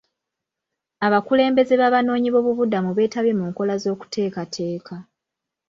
Abakulembeze b'abanoonyi b'obubuddamu beetabye mu nkola z'okuteekateka.